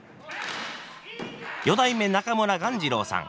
四代目中村鴈治郎さん。